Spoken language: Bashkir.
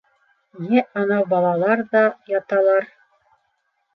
Йә анау балалар ҙа яталар.